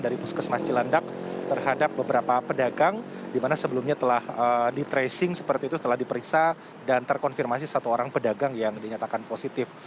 dari puskesmas cilandak terhadap beberapa pedagang di mana sebelumnya telah di tracing seperti itu setelah diperiksa dan terkonfirmasi satu orang pedagang yang dinyatakan positif